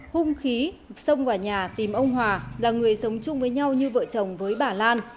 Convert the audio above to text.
hung khí xông vào nhà tìm ông hòa là người sống chung với nhau như vợ chồng với bà lan